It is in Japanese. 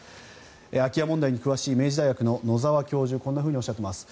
空き家問題に詳しい明治大学の野澤教授はこんなふうに話しています。